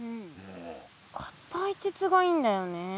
硬い鉄がいいんだよね。